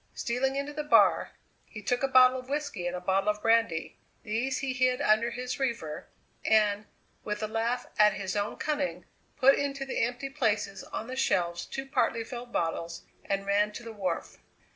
Stealing into the bar, he took a bottle of whisky and a bottle of brandy; these he hid under his reefer, and, with a laugh at his own cunning, put into the empty places on the shelves two partly filled bottles, and ran to the wharf.